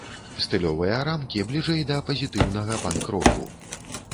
Стылёвыя рамкі бліжэй да пазітыўнага панк-року.